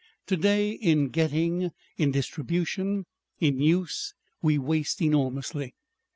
To day, in getting, in distribution, in use we waste enormously....